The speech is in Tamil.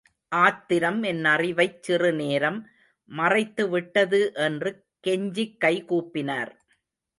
ஆத்திரம் என் அறிவைச் சிறுநேரம் மறைத்து விட்டது என்று கெஞ்சிக் கை கூப்பினார்.